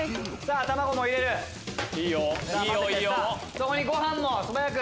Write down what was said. そこにご飯も素早く。